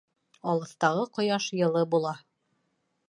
Алыҫтағы ҡояш йылы була.